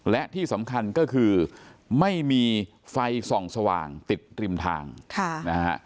และที่สำคัญก็คือไม่มีไฟส่องสว่างติดริมทางนะฮะ